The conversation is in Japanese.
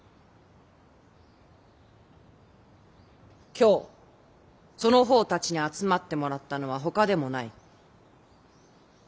今日その方たちに集まってもらったのはほかでもない。